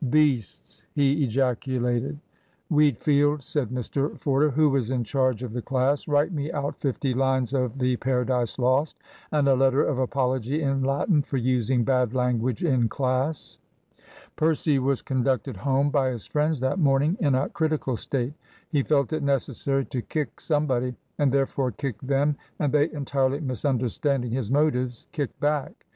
"Beasts!" he ejaculated. "Wheatfield," said Mr Forder, who was in charge of the class, "write me out fifty lines of the Paradise Lost and a letter of apology in Latin for using bad language in class." Percy was conducted home by his friends that morning in a critical state. He felt it necessary to kick somebody, and therefore kicked them; and they, entirely misunderstanding his motives, kicked back.